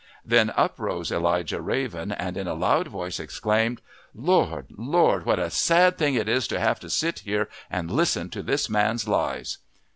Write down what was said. Then up rose Elijah Raven, and in a loud voice exclaimed, "Lord, Lord, what a sad thing it is to have to sit here and listen to this man's lies!"